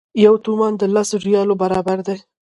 یو تومان د لسو ریالو برابر دی.